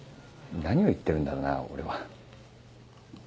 何を言ってるんだろうな俺は。